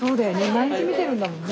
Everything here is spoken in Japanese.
毎日見てるんだもんね